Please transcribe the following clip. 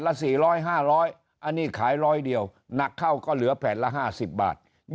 ละ๔๐๐๕๐๐อันนี้ขายร้อยเดียวหนักเข้าก็เหลือแผ่นละ๕๐บาท